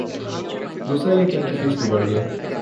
دوسرا یہ کہ ان کی فیس بھی بڑھ گئی۔